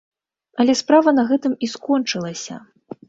Але справа на гэтым і скончылася.